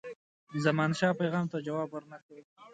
زمانشاه پیغام ته جواب ورنه کړ.